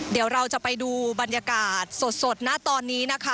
เดี๋ยวเราจะไปดูบรรยากาศสดนะตอนนี้นะคะ